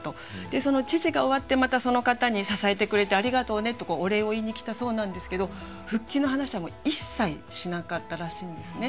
でその知事が終わってまたその方に「支えてくれてありがとうね」とお礼を言いに来たそうなんですけど復帰の話は一切しなかったらしいんですね。